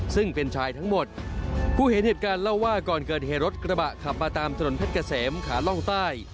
ซึ่งเป็นชายทั้งหมดผู้เห็นเหตุการณ์เล่าว่าก่อนเกิดเหตุรถกระบะขับมาตามถนนเพชรเกษมขาล่องใต้